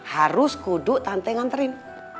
harus kuduk tante nganterin